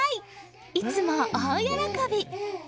いつも大喜び！